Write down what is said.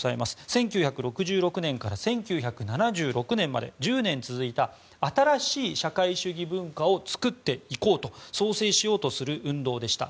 １９６６年から１９７６年まで１０年続いた新しい社会主義文化を作っていこうという創生しようとする運動でした。